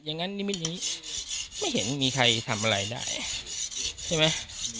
อย่างนั้นนิมิตนี้ไม่เห็นมีใครทำอะไรได้ใช่ไหม